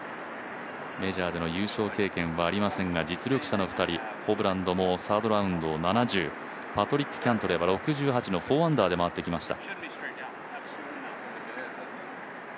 メジャーでの優勝経験はありませんが、実力者の２人、ホブランドもサードラウンドを７０パトリック・キャントレーは６８の４アンダーで回ってきました。